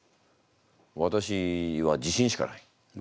私は自信しかない。